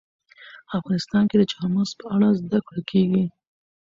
افغانستان کې د چار مغز په اړه زده کړه کېږي.